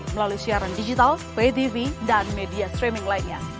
melalui siaran digital pay tv dan media streaming lainnya